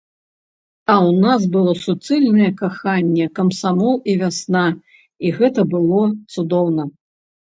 А ў нас было суцэльнае каханне, камсамол і вясна, і гэта было цудоўна.